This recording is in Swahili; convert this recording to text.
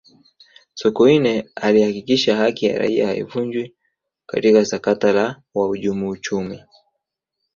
sokoine alihakikisha haki ya raia haivunjwi katika sakata la wahujumu uchumi